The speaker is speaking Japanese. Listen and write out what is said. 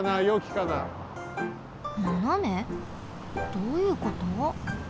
どういうこと？